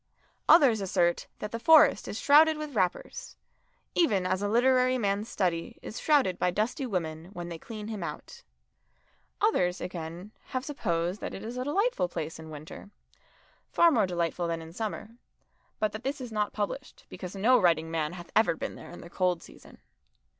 Others assert that the Forest is shrouded with wrappers, even as a literary man's study is shrouded by dusty women when they clean him out. Others, again, have supposed that it is a delightful place in winter, far more delightful than in summer, but that this is not published, because no writing man hath ever been there in the cold season.